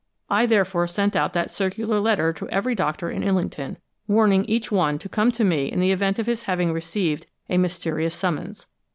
I therefore sent out that circular letter to every doctor in Illington, warning each one to come to me in the event of his having received a mysterious summons.